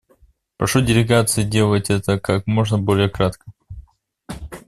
Прошу делегации делать это как можно более кратко.